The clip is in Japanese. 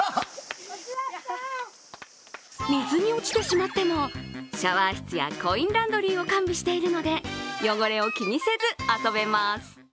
水に落ちてしまっても、シャワー室やコインランドリーを完備しているので汚れを気にせず遊べます。